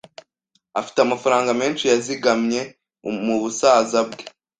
Afite amafaranga menshi yazigamye mubusaza bwe.